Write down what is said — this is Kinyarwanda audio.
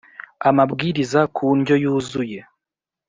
amabwiriza ku ndyo yuzuye.